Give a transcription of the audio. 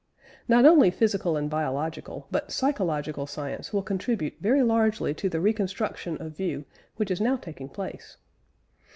Not only physical and biological, but psychological science will contribute very largely to the reconstruction of view which is now taking place.